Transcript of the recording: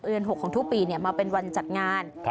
อันหกของทุกปีเนี่ยมาเป็นวันจัดงาน